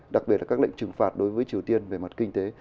đặc biệt là các lệnh trừng phạt đối với triều tiên về mặt kinh tế